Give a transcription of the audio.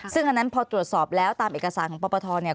ซึ่งอันนั้นพอตรวจสอบแล้วตามเอกสารของปปทเนี่ย